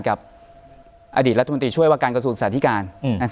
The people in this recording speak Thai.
กับอดีตรัฐมนตรีช่วยว่าการกระทรวงสาธิการ